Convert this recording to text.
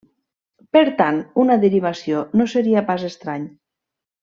Per tant, una derivació no seria pas estrany.